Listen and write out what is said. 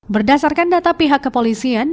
berdasarkan data pihak kepolisian